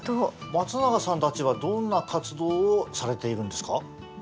松永さんたちはどんな活動をされているんですか？